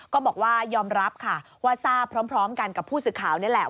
ก็บอกว่ายอมรับค่ะว่าทราบพร้อมกันกับผู้สื่อข่าวนี่แหละ